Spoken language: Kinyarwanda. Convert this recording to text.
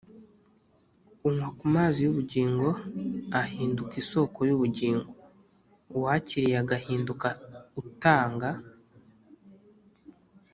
. Unywa ku mazi y’ubugingo ahinduka isoko y’ubugingo. Uwakiriye agahinduka utanga